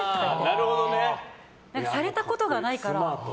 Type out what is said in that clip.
されたことがないから。